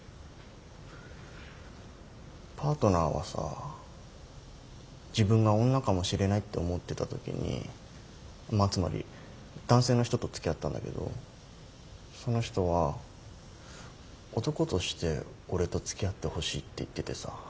パートナーはさ自分が女かもしれないって思ってた時にまあつまり男性の人とつきあったんだけどその人は男として俺とつきあってほしいって言っててさ